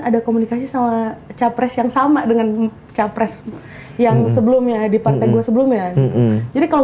ada komunikasi sama capres yang sama dengan capres yang sebelumnya di partai gue sebelumnya gitu jadi kalau